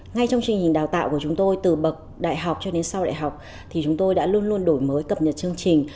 ngay trong trình hình đào tạo của chúng tôi từ bậc đại học cho đến sau đại học thì chúng tôi đã luôn luôn đổi mới cập nhật chương trình